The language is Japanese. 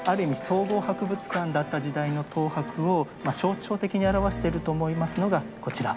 総合博物館だった時代の東博を象徴的に表していると思いますのがこちら。